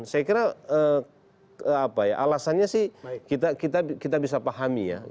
saya kira apa ya alasannya sih kita kita bisa pahami ya